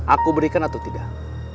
aku berikan atau tidak